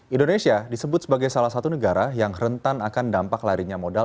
indonesia disebut sebagai salah satu negara yang rentan akan dampak larinya modal